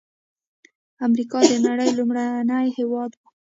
امریکا د نړۍ لومړنی هېواد و.